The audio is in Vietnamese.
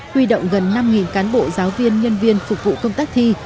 huy động gần năm cán bộ giáo viên nhân viên phục vụ công tác thi